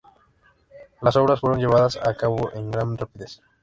Las obras fueron llevadas a cabo con gran rapidez.